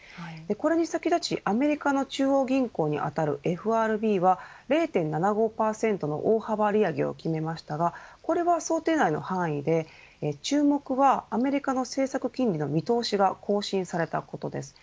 これに先立ちアメリカの中央銀行にあたるＦＲＢは０．７５％の大幅利上げを決めましたがこれは想定内の範囲で注目はアメリカの政策金利の見通しが更新されたことです。